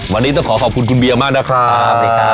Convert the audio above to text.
วันนี้ต้องขอขอบคุณคุณเบียมากนะครับ